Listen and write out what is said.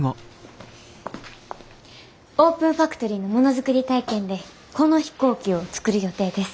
オープンファクトリーのものづくり体験でこの飛行機を作る予定です。